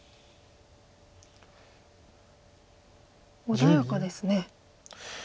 穏やかですね。